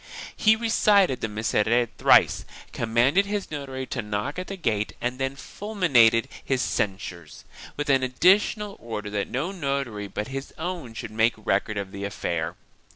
He recited the Miserere thrice, commanded his notary to knock at the gate and then fulminated his censures, with an additional order that no notary but his own should make record of the affair.